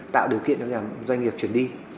tạo điều khiển cho doanh nghiệp chuyển đi